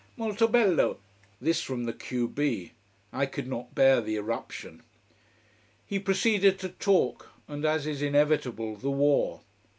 "Molto bello!" This from the q b. I could not bear the irruption. He proceeded to talk and as is inevitable, the war.